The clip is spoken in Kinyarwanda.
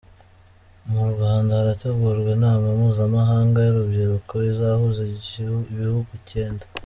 Mu Rwanda harategurwa Inama mpuzamahanga y’urubyiruko izahuza ibihugu icyenda